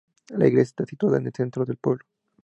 La iglesia está situada en el centro del pueblo.